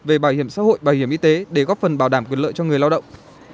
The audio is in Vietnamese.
về bảo hiểm xã hội bảo hiểm y tế để góp phần bảo đảm quyền lợi cho người lao động